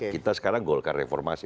kita sekarang golkar reformasi